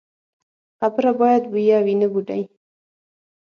خبره باید بویه وي، نه بوډۍ.